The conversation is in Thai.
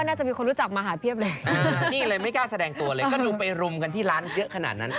นี่เลยไม่กล้าแสดงตัวเลยก็ลุมไปรุมกันที่ร้านเกื้อขนาดนั้น